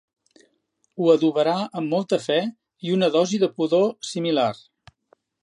Ho adobarà amb molta fe i una dosi de pudor similar.